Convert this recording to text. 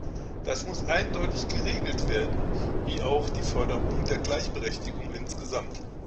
Das muss eindeutig geregelt werden wie auch die Förderung der Gleichberechtigung insgesamt.